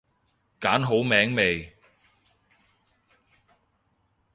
揀好名未？